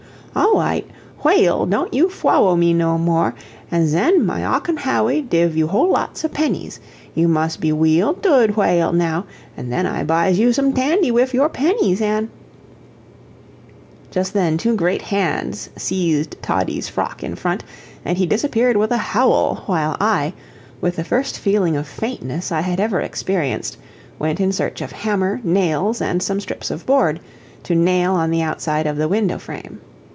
"Aw wight. Whay al, don't you fwallow me no more, an' zen my Ocken Hawwy div you whole lots of pennies. You must be weal dood whay al now, an' then I buys you some tandy wif your pennies, an' " Just then two great hands seized Toddie's frock in front, and he disappeared with a howl, while I, with the first feeling of faintness I had ever experienced, went in search of hammer, nails, and some strips of board, to nail on the outside of the window frame.